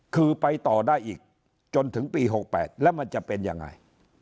คือไปต่อได้อีกจนถึงปี๖๘แล้วมันจะเป็นยังไง